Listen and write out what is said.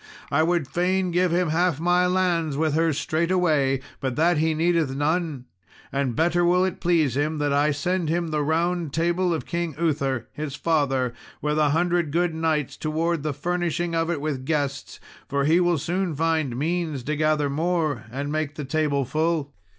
I would fain give him half my lands with her straightway, but that he needeth none and better will it please him that I send him the Round Table of King Uther, his father, with a hundred good knights towards the furnishing of it with guests, for he will soon find means to gather more, and make the table full."